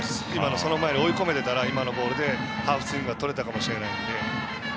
その前に追い込めてたら今のボールでハーフスイングがとれたかもしれないので。